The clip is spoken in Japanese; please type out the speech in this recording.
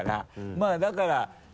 まぁだから。